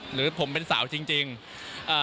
หรือผมเป็นสาวจริงขอว่ายังไปดี